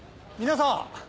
皆さん！